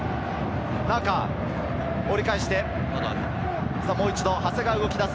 中、折り返して、もう一度、長谷川、動きだす。